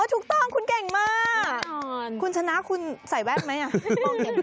อ๋อถูกต้องคุณเก่งมากคุณชนะคุณใส่แวบไหมอ่ะมองเก่งไหม